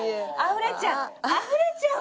あふれちゃう！